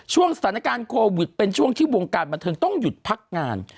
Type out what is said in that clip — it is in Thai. ช่วงสถานการณ์โควิดเป็นช่วงที่วงการบันเทิงต้องหยุดพักงาน